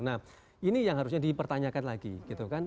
nah ini yang harusnya dipertanyakan lagi gitu kan